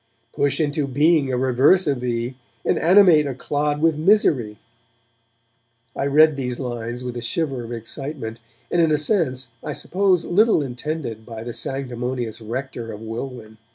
Push into being a reverse of thee, And animate a clod with misery? I read these lines with a shiver of excitement, and in a sense I suppose little intended by the sanctimonious rector of Welwyn.